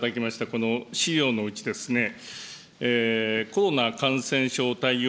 この資料のうち、コロナ感染症対応